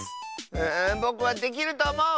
うぼくはできるとおもう！